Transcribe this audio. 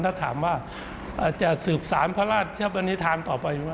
ถ้าถามว่าจะสืบสารพระราชปนิษฐานต่อไปไหม